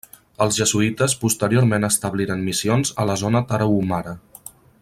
Els jesuïtes posteriorment establiren missions a la zona Tarahumara.